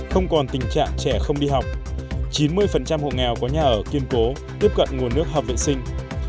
chín mươi hộ nghèo có nhà ở kiên cố tiếp cận nguồn nước hợp vệ sinh